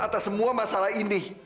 atas semua masalah ini